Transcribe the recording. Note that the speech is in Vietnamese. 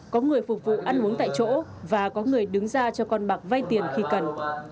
có người phục vụ ăn uống tại chỗ và có người đứng ra cho con bạc vay tiền khi cần